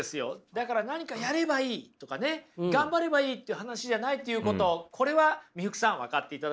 だから何かやればいいとかね頑張ればいいっていう話じゃないっていうことをこれは三福さん分かっていただけましたでしょうか？